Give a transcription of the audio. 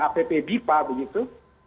app bipa begitu